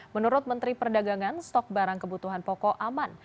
menurut menteri perdagangan stok barang kebutuhan pokok aman